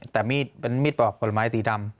แต่มีดปอกผลไม้สีดำ